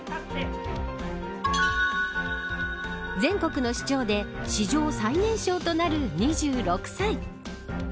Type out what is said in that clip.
全国の市長で史上最年少となる２６歳。